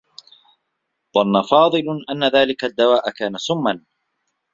ظنّ فاضل أنّ ذلك الدّواء كان سمّا.